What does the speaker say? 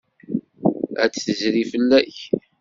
Ad d-tezri fell-ak.